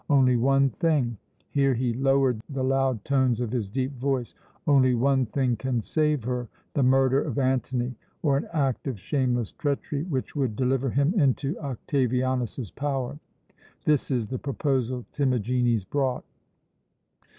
Only one thing" here he lowered the loud tones of his deep voice "only one thing can save her: the murder of Antony, or an act of shameless treachery which would deliver him into Octavianus's power. This is the proposal Timagenes brought."